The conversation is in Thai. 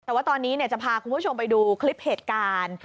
แต่ว่าตอนนี้จะพาคุณผู้ชมไปดูคลิปเหตุการณ์